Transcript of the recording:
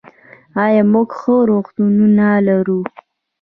آیا موږ ښه روغتونونه لرو؟